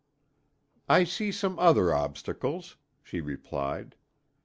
"I see some other obstacles," she replied.